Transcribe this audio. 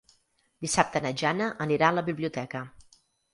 Dissabte na Jana anirà a la biblioteca.